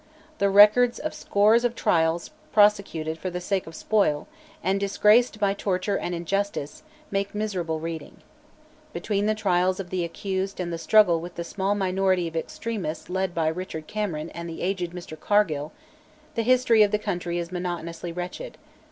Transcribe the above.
The records of scores of trials prosecuted for the sake of spoil, and disgraced by torture and injustice, make miserable reading. Between the trials of the accused and the struggle with the small minority of extremists led by Richard Cameron and the aged Mr Cargill, the history of the country is monotonously wretched.